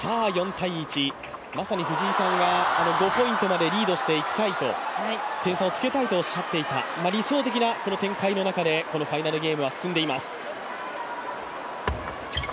まさに藤井さんが５ポイントまでリードしていきたいと点差をつけたいとおっしゃっていた、理想的なこの展開の中でこのファイナルゲームは進んでいます。